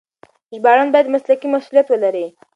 ژباړن بايد مسلکي مسؤليت ولري.